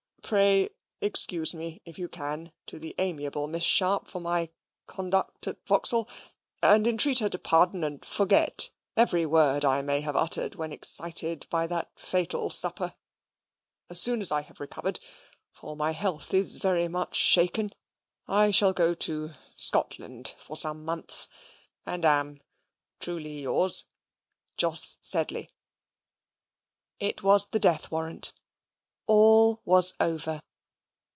Pray excuse me, if you can, to the amiable Miss Sharp, for my conduct at Vauxhall, and entreat her to pardon and forget every word I may have uttered when excited by that fatal supper. As soon as I have recovered, for my health is very much shaken, I shall go to Scotland for some months, and am Truly yours, Jos Sedley It was the death warrant. All was over.